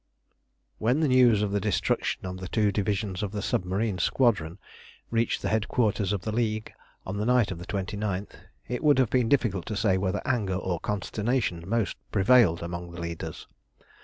When the news of the destruction of the two divisions of the submarine squadron reached the headquarters of the League on the night of the 29th, it would have been difficult to say whether anger or consternation most prevailed among the leaders.